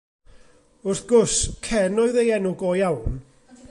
Wrth gwrs, Cen oedd ei enw go iawn.